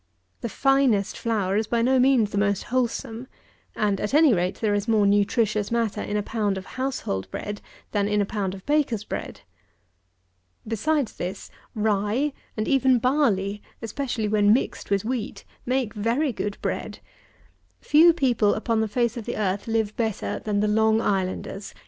The finest flour is by no means the most wholesome; and, at any rate, there is more nutritious matter in a pound of household bread than in a pound of baker's bread. Besides this, rye, and even barley, especially when mixed with wheat, make very good bread. Few people upon the face of the earth live better than the Long Islanders.